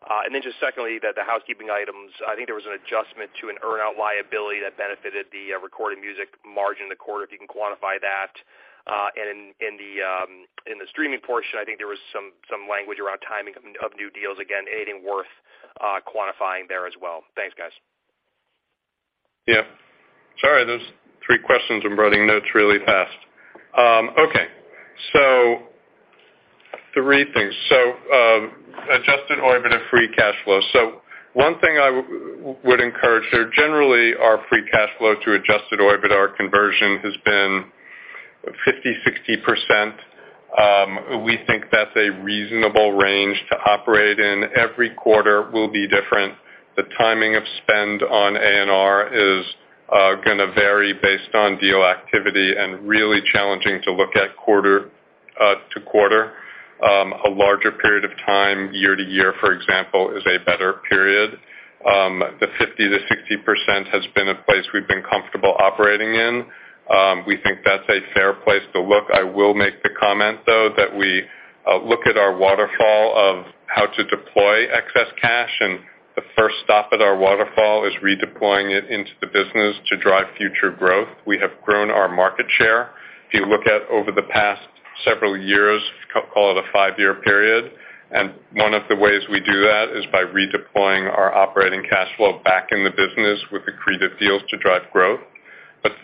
And then just secondly, the housekeeping items, I think there was an adjustment to an earn-out liability that benefited the Recorded Music margin in the quarter, if you can quantify that. In the streaming portion, I think there was some language around timing of new deals. Again, anything worth quantifying there as well. Thanks, guys. Yeah. Sorry, there's three questions. I'm writing notes really fast. Three things. Adjusted OIBDA free cash flow. One thing I would encourage there, generally, our free cash flow to adjusted OIBDA conversion has been 50%-60%. We think that's a reasonable range to operate in. Every quarter will be different. The timing of spend on A&R is gonna vary based on deal activity and really challenging to look at quarter to quarter. A larger period of time, year to year, for example, is a better period. The 50%-60% has been a place we've been comfortable operating in. We think that's a fair place to look. I will make the comment, though, that we look at our waterfall of how to deploy excess cash, and the first stop at our waterfall is redeploying it into the business to drive future growth. We have grown our market share. If you look at over the past several years, call it a five-year period, and one of the ways we do that is by redeploying our operating cash flow back in the business with accretive deals to drive growth.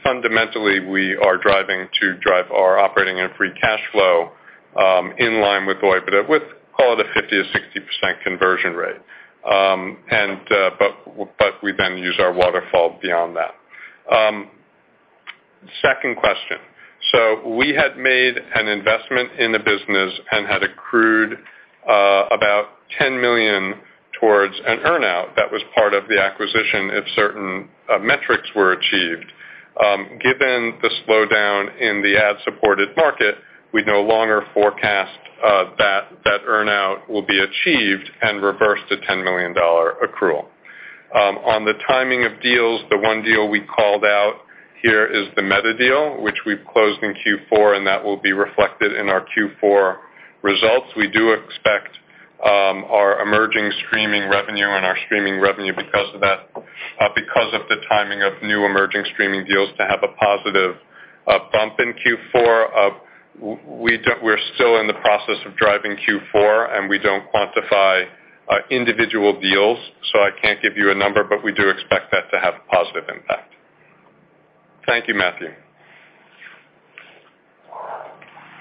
Fundamentally, we are driving our operating and free cash flow in line with OIBDA with, call it a 50%-60% conversion rate. We then use our waterfall beyond that. Second question. We had made an investment in the business and had accrued about $10 million towards an earn-out that was part of the acquisition if certain metrics were achieved. Given the slowdown in the ad-supported market, we no longer forecast that that earn-out will be achieved and reversed a $10 million accrual. On the timing of deals, the one deal we called out here is the Meta deal, which we've closed in Q4, and that will be reflected in our Q4 results. We do expect our emerging streaming revenue and our streaming revenue because of that because of the timing of new emerging streaming deals to have a positive bump in Q4. We're still in the process of driving Q4, and we don't quantify individual deals, so I can't give you a number, but we do expect that to have a positive impact. Thank you, Matthew.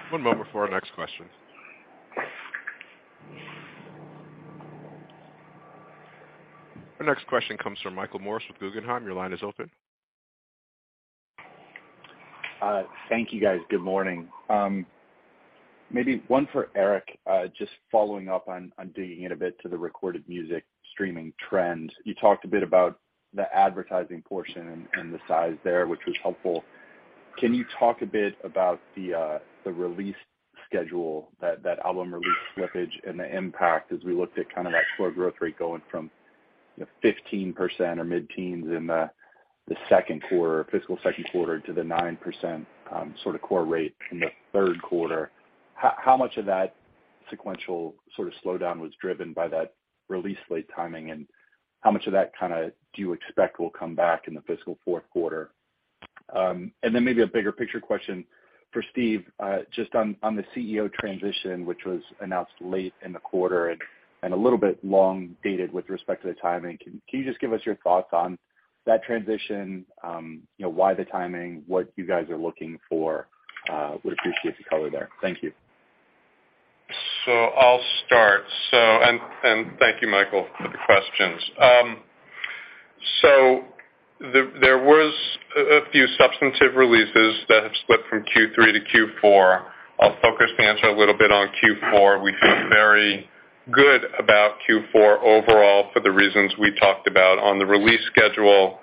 One moment before our next question. Our next question comes from Michael Morris with Guggenheim. Your line is open. Thank you, guys. Good morning. Maybe one for Eric, just following up on digging in a bit to the recorded music streaming trend. You talked a bit about the advertising portion and the size there, which was helpful. Can you talk a bit about the release schedule, that album release slippage and the impact as we looked at kind of that core growth rate going from, you know, 15% or mid-teens in the second quarter, fiscal second quarter to the 9%, sort of core rate in the third quarter. How much of that sequential sort of slowdown was driven by that release slate timing, and how much of that kinda do you expect will come back in the fiscal fourth quarter? Maybe a bigger picture question for Steve, just on the CEO transition, which was announced late in the quarter and a little bit long dated with respect to the timing. Can you just give us your thoughts on that transition? You know, why the timing, what you guys are looking for? Would appreciate the color there. Thank you. I'll start. Thank you, Michael, for the questions. There was a few substantive releases that have slipped from Q3 to Q4. I'll focus the answer a little bit on Q4. We feel very good about Q4 overall for the reasons we talked about. On the release schedule,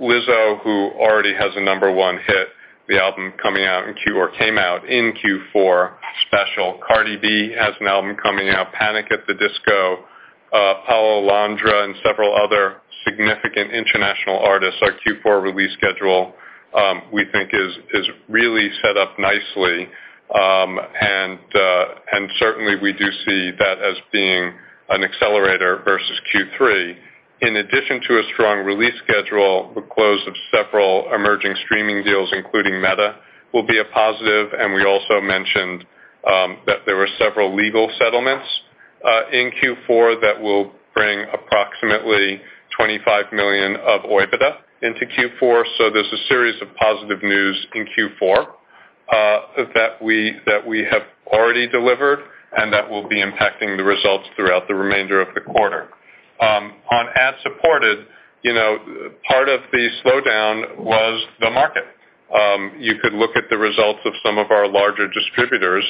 Lizzo, who already has a number one hit, the album came out in Q4, Special. Cardi B has an album coming out. Panic! at the Disco, Paulo Londra, and several other significant international artists. Our Q4 release schedule, we think is really set up nicely. Certainly we do see that as being an accelerator versus Q3. In addition to a strong release schedule, the close of several emerging streaming deals, including Meta, will be a positive, and we also mentioned that there were several legal settlements in Q4 that will bring approximately $25 million of OIBDA into Q4. There's a series of positive news in Q4 that we have already delivered and that will be impacting the results throughout the remainder of the quarter. On ad-supported, part of the slowdown was the market. You could look at the results of some of our larger distributors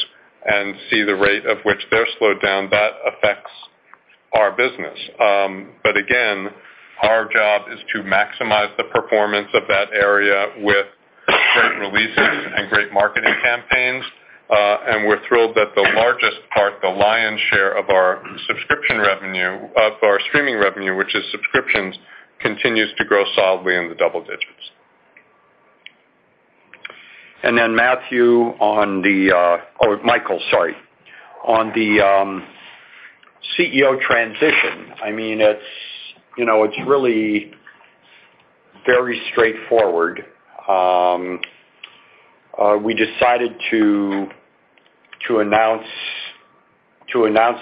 and see the rate at which they're slowed down. That affects our business. Again, our job is to maximize the performance of that area with great releases and great marketing campaigns. We're thrilled that the largest part, the lion's share of our subscription revenue, of our streaming revenue, which is subscriptions, continues to grow solidly in the double digits. Matthew, on the or Michael, sorry. On the CEO transition, I mean, it's, you know, it's really very straightforward. We decided to announce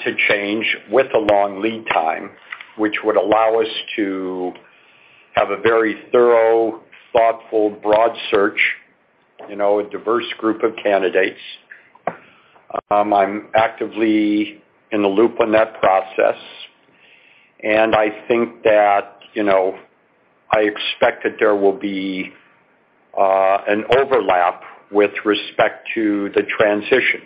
a change with a long lead time, which would allow us to have a very thorough, thoughtful, broad search, you know, a diverse group of candidates. I'm actively in the loop on that process, and I think that, you know, I expect that there will be an overlap with respect to the transition.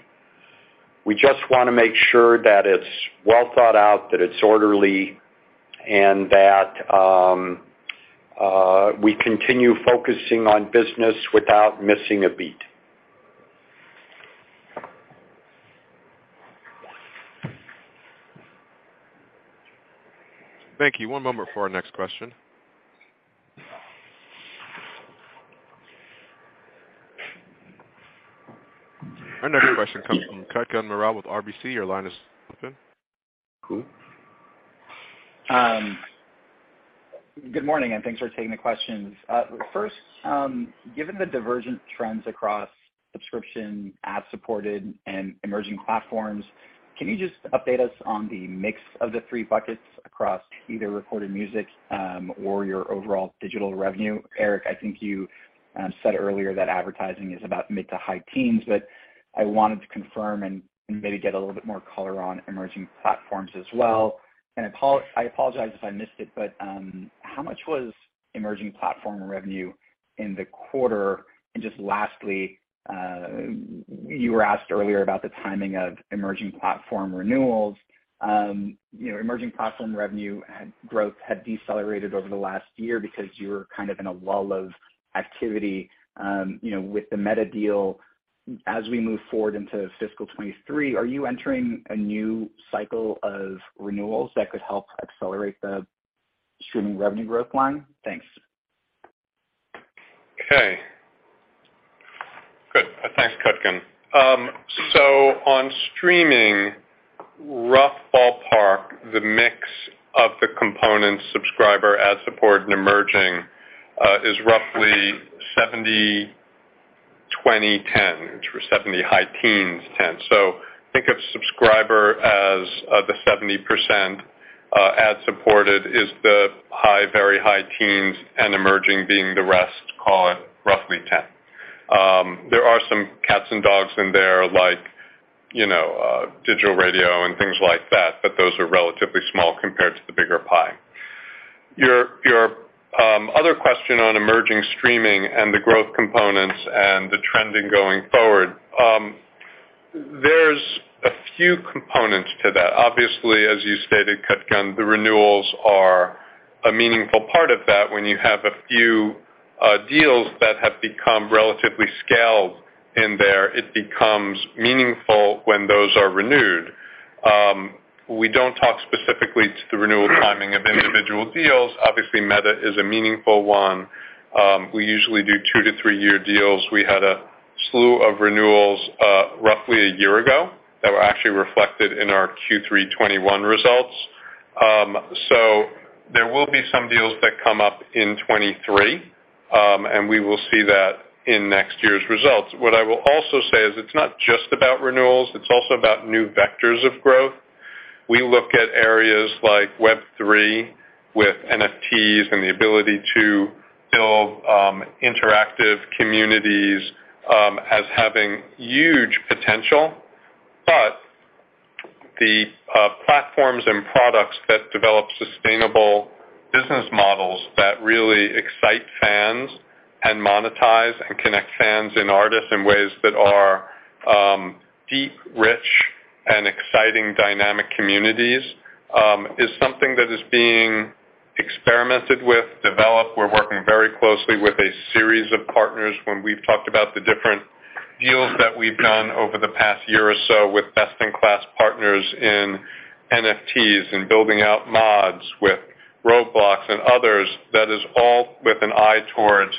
We just wanna make sure that it's well thought out, that it's orderly, and that we continue focusing on business without missing a beat. Thank you. One moment for our next question. Our next question comes from Kutgun Maral with RBC. Your line is open. Cool. Good morning, and thanks for taking the questions. First, given the divergent trends across subscription, ad-supported, and emerging platforms, can you just update us on the mix of the three buckets across either Recorded Music or your overall digital revenue? Eric, I think you said earlier that advertising is about mid to high-teens%, but I wanted to confirm and maybe get a little bit more color on emerging platforms as well. I apologize if I missed it, but how much was emerging platform revenue in the quarter? Just lastly, you were asked earlier about the timing of emerging platform renewals. You know, emerging platform revenue growth had decelerated over the last year because you were kind of in a lull of activity, you know, with the Meta deal. As we move forward into fiscal 2023, are you entering a new cycle of renewals that could help accelerate the streaming revenue growth line? Thanks. Okay. Good. Thanks, Kutgun. So on streaming, rough ballpark, the mix of the components subscriber, ad-supported, and emerging, is roughly 70/20/10, which were 70 high teens/10. Think of subscriber as, the 70%, ad-supported is the high, very high teens, and emerging being the rest, call it roughly 10%. There are some cats and dogs in there like, you know, digital radio and things like that, but those are relatively small compared to the bigger pie. Your other question on emerging streaming and the growth components and the trending going forward, there's a few components to that. Obviously, as you stated, Kutgun, the renewals are a meaningful part of that. When you have a few, deals that have become relatively scaled in there, it becomes meaningful when those are renewed. We don't talk specifically to the renewal timing of individual deals. Obviously, Meta is a meaningful one. We usually do two to three-year deals. We had a slew of renewals, roughly a year ago that were actually reflected in our Q3 2021 results. So there will be some deals that come up in 2023, and we will see that in next year's results. What I will also say is it's not just about renewals, it's also about new vectors of growth. We look at areas like Web3 with NFTs and the ability to build, interactive communities, as having huge potential. The platforms and products that develop sustainable business models that really excite fans and monetize and connect fans and artists in ways that are, deep, rich, and exciting dynamic communities, is something that is being experimented with, developed. We're working very closely with a series of partners when we've talked about the different deals that we've done over the past year or so with best-in-class partners in NFTs, in building out mods with Roblox and others, that is all with an eye towards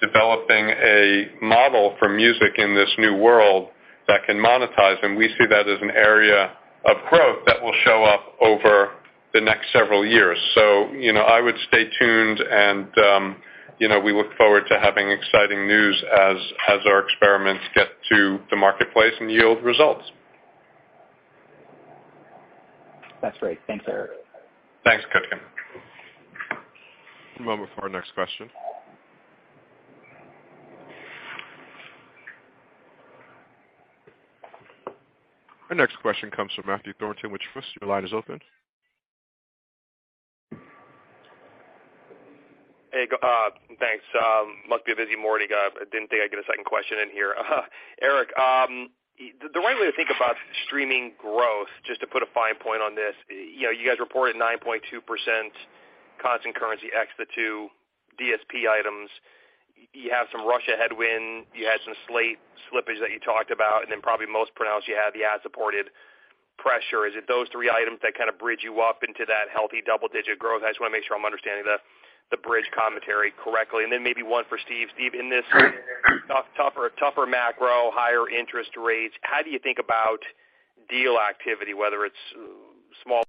developing a model for music in this new world that can monetize. We see that as an area of growth that will show up over the next several years. You know, I would stay tuned and, you know, we look forward to having exciting news as our experiments get to the marketplace and yield results. That's great. Thanks, Eric. Thanks, Kutgun. One moment for our next question. Our next question comes from Matthew Thornton with Truist. Your line is open. Hey, thanks. Must be a busy morning. I didn't think I'd get a second question in here. Eric, the right way to think about streaming growth, just to put a fine point on this, you know, you guys reported 9.2% constant currency ex the two DSP items. You have some Russia headwind, you had some slate slippage that you talked about, and then probably most pronounced, you have the ad-supported pressure. Is it those three items that kind of bridge you up into that healthy double-digit growth? I just wanna make sure I'm understanding the bridge commentary correctly. Then maybe one for Steve. Steve, in this tougher macro, higher interest rates, how do you think about deal activity, whether it's small-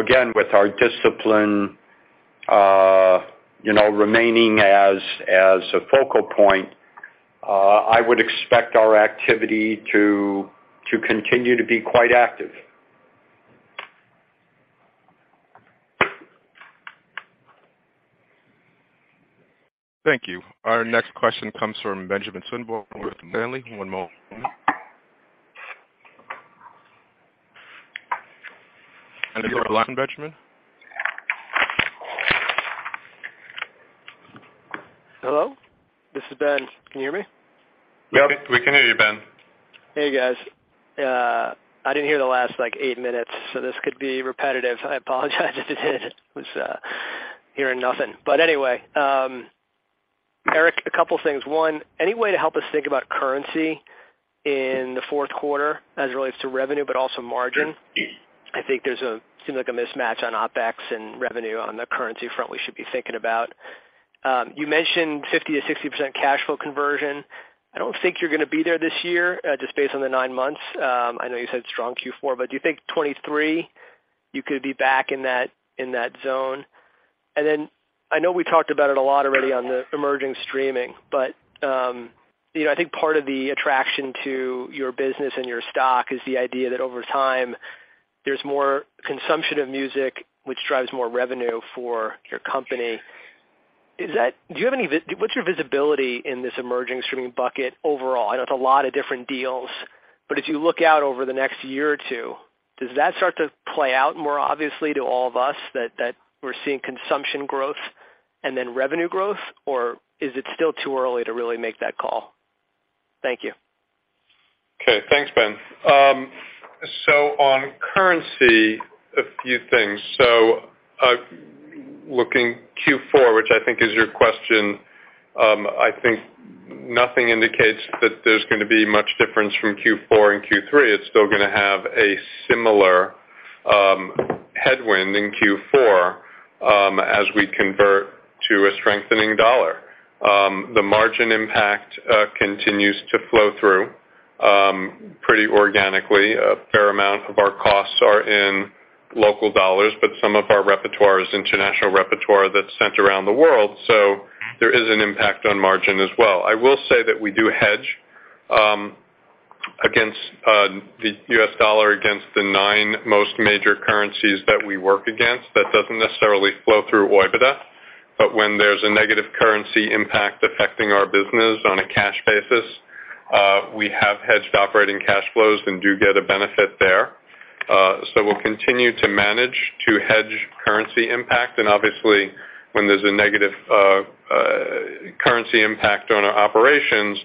Again, with our discipline, you know, remaining as a focal point, I would expect our activity to continue to be quite active. Thank you. Our next question comes from Benjamin Swinburne with Morgan Stanley. One moment. Your line, Benjamin. Hello? This is Ben. Can you hear me? Yep, we can hear you, Ben. Hey, guys. I didn't hear the last like eight minutes, so this could be repetitive. I apologize if it is. Anyway, Eric, a couple things. One, any way to help us think about currency in the fourth quarter as it relates to revenue, but also margin? I think there's a mismatch on OpEx and revenue on the currency front we should be thinking about. You mentioned 50%-60% cash flow conversion. I don't think you're gonna be there this year, just based on the nine months. I know you said strong Q4, but do you think 2023 you could be back in that zone? I know we talked about it a lot already on the emerging streaming, but, you know, I think part of the attraction to your business and your stock is the idea that over time there's more consumption of music, which drives more revenue for your company. What's your visibility in this emerging streaming bucket overall? I know it's a lot of different deals, but if you look out over the next year or two, does that start to play out more obviously to all of us that we're seeing consumption growth and then revenue growth? Or is it still too early to really make that call? Thank you. Okay, thanks, Ben. On currency, a few things. Looking at Q4, which I think is your question, I think nothing indicates that there's gonna be much difference between Q4 and Q3. It's still gonna have a similar headwind in Q4 as we convert to a strengthening dollar. The margin impact continues to flow through pretty organically. A fair amount of our costs are in local dollars, but some of our repertoire is international repertoire that's sent around the world, so there is an impact on margin as well. I will say that we do hedge against the U.S. dollar against the nine most major currencies that we work against. That doesn't necessarily flow through OIBDA, but when there's a negative currency impact affecting our business on a cash basis, we have hedged operating cash flows and do get a benefit there. We'll continue to manage to hedge currency impact, and obviously, when there's a negative currency impact on our operations,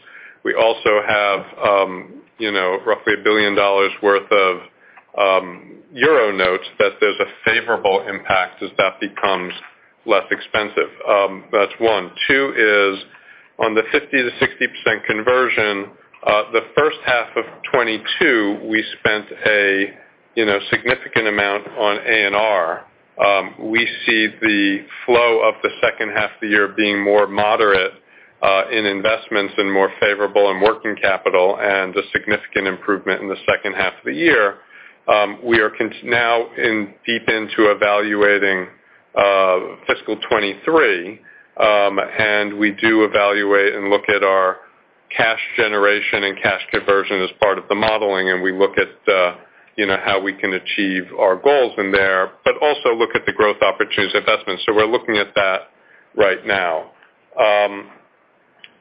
we also have, you know, roughly $1 billion worth of euro notes that there's a favorable impact as that becomes less expensive. That's one. Two is on the 50%-60% conversion, the first half of 2022, we spent a you know significant amount on A&R. We see the flow of the second half of the year being more moderate in investments and more favorable in working capital and a significant improvement in the second half of the year. We are now deep into evaluating fiscal 2023, and we do evaluate and look at our cash generation and cash conversion as part of the modeling, and we look at, you know, how we can achieve our goals in there, but also look at the growth opportunities investments. We're looking at that right now.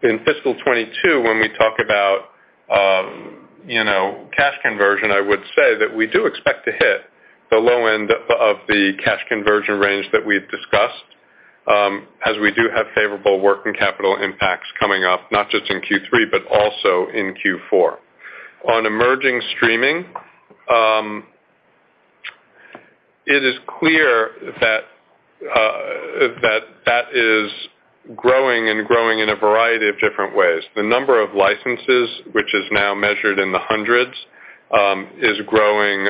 In fiscal 2022, when we talk about, you know, cash conversion, I would say that we do expect to hit the low end of the cash conversion range that we've discussed, as we do have favorable working capital impacts coming up, not just in Q3, but also in Q4. On emerging streaming, it is clear that that is growing and growing in a variety of different ways. The number of licenses, which is now measured in the hundreds, is growing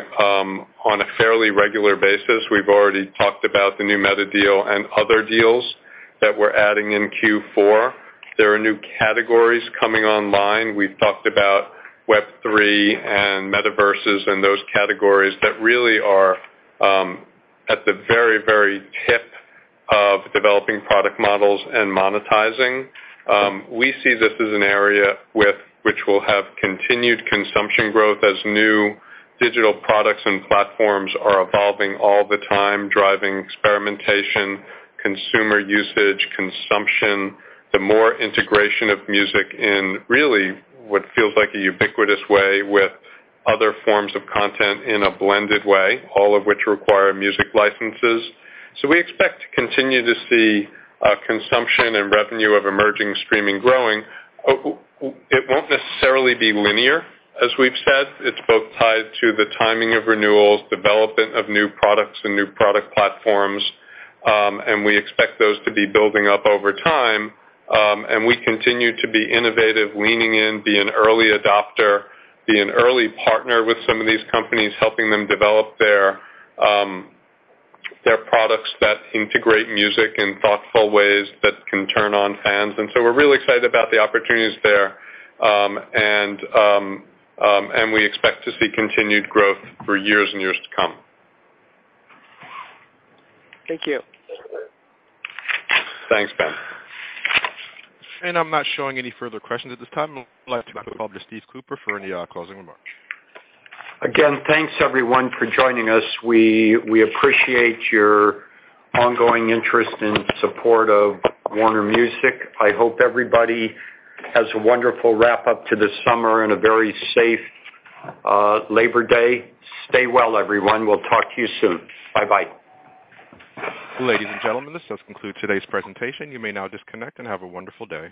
on a fairly regular basis. We've already talked about the new Meta deal and other deals that we're adding in Q4. There are new categories coming online. We've talked about Web3 and metaverses and those categories that really are at the very, very tip of developing product models and monetizing. We see this as an area which will have continued consumption growth as new digital products and platforms are evolving all the time, driving experimentation, consumer usage, consumption, the more integration of music in really what feels like a ubiquitous way with other forms of content in a blended way, all of which require music licenses. We expect to continue to see consumption and revenue of emerging streaming growing. It won't necessarily be linear, as we've said. It's both tied to the timing of renewals, development of new products and new product platforms, and we expect those to be building up over time. We continue to be innovative, leaning in, be an early adopter, be an early partner with some of these companies, helping them develop their products that integrate music in thoughtful ways that can turn on fans. We're really excited about the opportunities there, and we expect to see continued growth for years and years to come. Thank you. Thanks, Ben. I'm not showing any further questions at this time. I'd like to hand it back over to Steve Cooper for any closing remarks. Again, thanks everyone for joining us. We appreciate your ongoing interest and support of Warner Music. I hope everybody has a wonderful wrap-up to the summer and a very safe Labor Day. Stay well, everyone. We'll talk to you soon. Bye-bye. Ladies and gentlemen, this does conclude today's presentation. You may now disconnect and have a wonderful day.